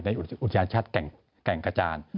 ในอุทยานชาติแก่งกระจาน